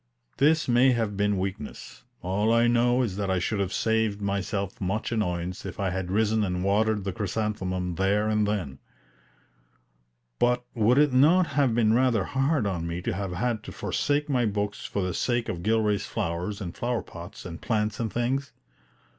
This may have been weakness; all I know is that I should have saved myself much annoyance if I had risen and watered the chrysanthemum there and then. But would it not have been rather hard on me to have had to forsake my books for the sake of Gilray's flowers and flower pots and plants and things?